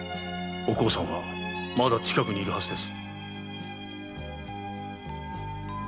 お甲さんはまだ近くにいるはずです。